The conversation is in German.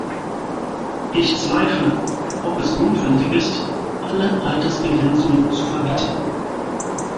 Ich zweifle, ob es notwendig ist, alle Altersbegrenzungen zu verbieten.